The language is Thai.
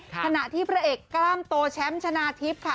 ขณะที่พระเอกกล้ามโตแชมป์ชนะทิพย์ค่ะ